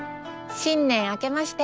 新年あけまして。